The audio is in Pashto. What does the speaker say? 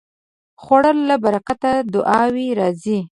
خوړل له برکته دعاوې راځي